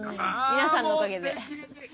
皆さんのおかげで。